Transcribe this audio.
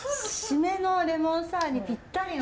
〆のレモンサワーにぴったりの。